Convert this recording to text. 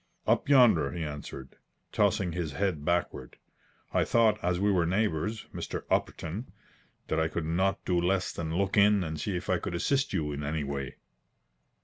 "Up yonder," he answered, tossing his head backward. "I thought as we were neighbours, Mr. Upperton, that I could not do less than look in and see if I could assist you in any way."